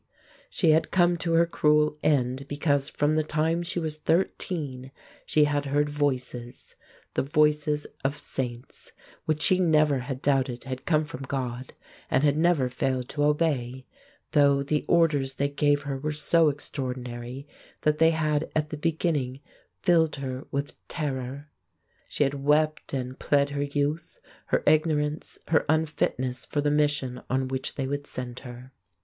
She had come to her cruel end because from the time she was thirteen she had heard Voices the Voices of saints which she never had doubted had come from God and had never failed to obey, though the orders they gave her were so extraordinary that they had at the beginning filled her with terror. She had wept and pled her youth, her ignorance, her unfitness for the mission on which they would send her.